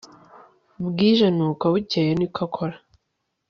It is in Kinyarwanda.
bwije n uko bukeye niko akora